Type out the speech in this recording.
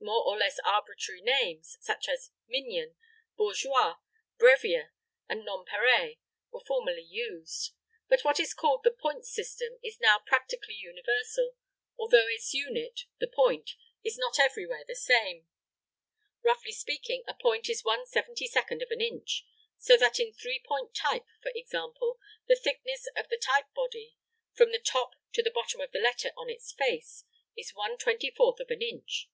More or less arbitrary names such as minion, bourgeois, brevier, and nonpareil, were formerly used; but what is called the point system is now practically universal, although its unit, the "point," is not everywhere the same. Roughly speaking, a point is one seventy second of an inch, so that in three point type, for example, the thickness of the type body, from the top to the bottom of the letter on its face, is one twenty fourth of an inch.